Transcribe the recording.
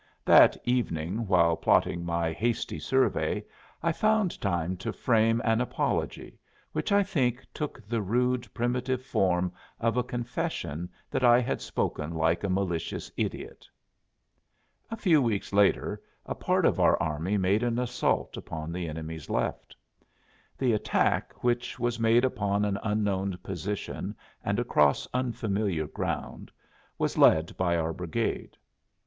That evening, while platting my hasty survey, I found time to frame an apology, which I think took the rude, primitive form of a confession that I had spoken like a malicious idiot. A few weeks later a part of our army made an assault upon the enemy's left. The attack, which was made upon an unknown position and across unfamiliar ground, was led by our brigade.